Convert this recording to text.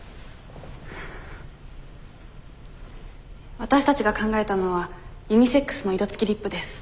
わたしたちが考えたのはユニセックスの色つきリップです。